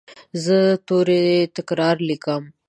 زه توري تکرار لیکم.